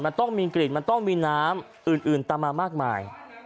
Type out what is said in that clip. มันต้องมีกลิ่นมันต้องมีน้ำอื่นตามมามากมาย